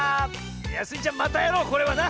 いやスイちゃんまたやろうこれはな！